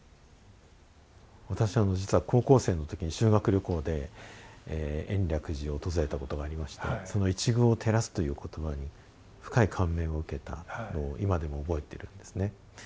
私実は高校生の時に修学旅行で延暦寺を訪れたことがありましてその「一隅を照らす」という言葉に深い感銘を受けたのを今でも覚えているんですね。